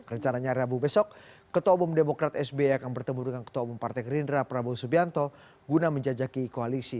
rencananya rabu besok ketua umum demokrat sby akan bertemu dengan ketua umum partai gerindra prabowo subianto guna menjajaki koalisi